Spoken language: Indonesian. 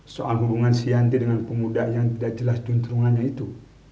soal hubungan si yanti dengan pemuda yang tidak jelas junturungannya itu